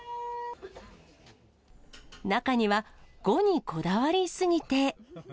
中には、５にこだわり過ぎて。